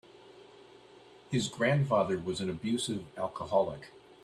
His grandfather was an abusive alcoholic.